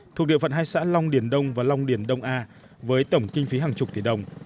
thuộc địa phận hai xã long điền đông và long điền đông a với tổng kinh phí hàng chục tỷ đồng